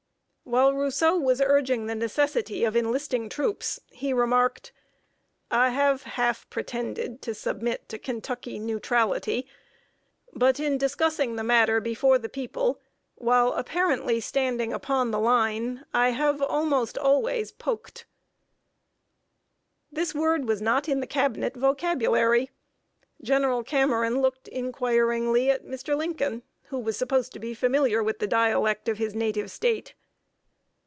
While Rousseau was urging the necessity of enlisting troops, he remarked: "I have half pretended to submit to Kentucky neutrality, but, in discussing the matter before the people, while apparently standing upon the line, I have almost always poked." This word was not in the Cabinet vocabulary. General Cameron looked inquiringly at Mr. Lincoln, who was supposed to be familiar with the dialect of his native State.